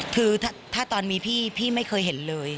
คือถ้าตอนมีพี่พี่ไม่เคยเห็นเลย